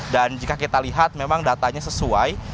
dan jika kita lihat memang datanya sesuai